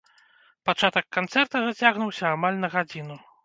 Пачатак канцэрта зацягнуўся амаль на гадзіну.